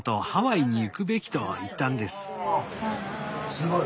すごい。